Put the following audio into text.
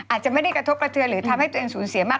อาจจะไม่ได้กระทบกระเทือนหรือทำให้ตัวเองสูญเสียมาก